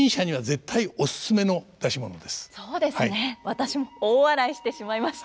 私も大笑いしてしまいました。